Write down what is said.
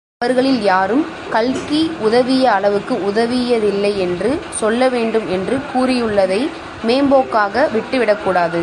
அவர்களில் யாரும் கல்கி உதவிய அளவுக்கு உதவியதில்லை என்று சொல்லவேண்டும் என்று கூறியுள்ளதை மேம்போக்காக விட்டு விடக்கூடாது.